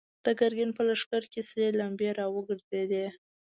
د ګرګين په لښکر کې سرې لمبې را وګرځېدې.